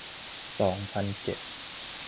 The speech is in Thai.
สองพันเจ็ด